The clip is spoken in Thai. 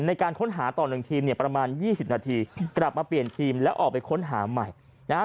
ในการค้นหาต่อหนึ่งทีมประมาณ๒๐นาทีกลับมาเปลี่ยนทีมแล้วออกไปค้นหาใหม่